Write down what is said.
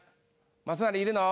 正成いるの？